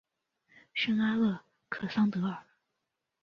圣阿勒克桑德尔。